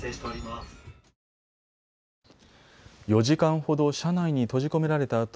４時間ほど車内に閉じ込められた